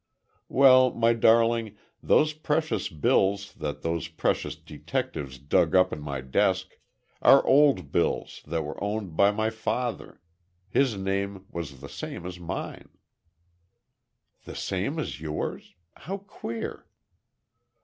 Well, my darling, those precious bills that those precious detectives dug up in my desk, are old bills that were owed by my father—his name was the same as mine—" "The same as yours! How queer!"